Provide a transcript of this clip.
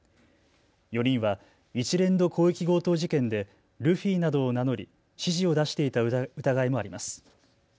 ４人は一連の広域強盗事件でルフィなどを名乗り指示を出していた疑いもあります。